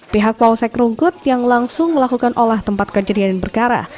pihak wawsek rungkut yang langsung melakukan olah tempat kejadian yang berkara